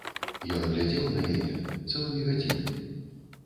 Ён глядзеў на яе цэлымі гадзінамі.